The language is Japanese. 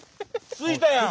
着いたやん！